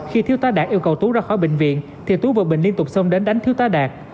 khi thiếu tá đạt yêu cầu tú ra khỏi bệnh viện thì tú và bình liên tục xông đến đánh thiếu tá đạt